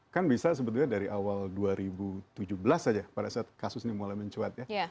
kan bisa sebetulnya dari awal dua ribu tujuh belas saja pada saat kasus ini mulai mencuat ya